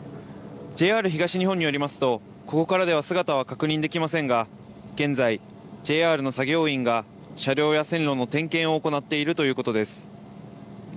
ＪＲ東日本によりますとここからでは姿を確認できませんが現在、ＪＲの作業員が車両や線路の点検を行っているということです。